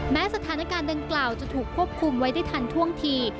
สถานการณ์ดังกล่าวจะถูกควบคุมไว้ได้ทันท่วงที